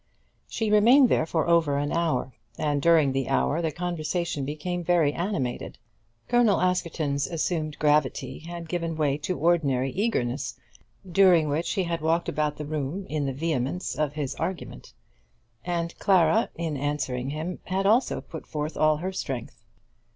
She remained there for over an hour, and during the hour the conversation became very animated. Colonel Askerton's assumed gravity had given way to ordinary eagerness, during which he had walked about the room in the vehemence of his argument; and Clara, in answering him, had also put forth all her strength.